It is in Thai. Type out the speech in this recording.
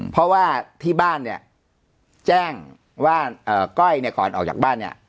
เพราะว่าที่บ้านเนี่ยแจ้งว่าก้อยเนี่ยก่อนออกจากบ้านเนี่ย